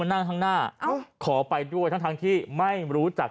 ขึ้นมานั่งทางหน้าอ้าวขอไปด้วยทางทางที่ไม่รู้จัก